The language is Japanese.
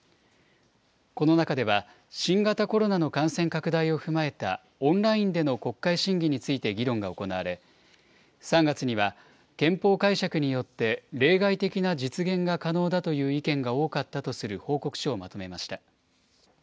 この中では、新型コロナの感染拡大を踏まえたオンラインでの国会審議について議論が行われ、３月には、憲法解釈によって例外的な実現が可能だという意見が多かったとする報告書をまとめました。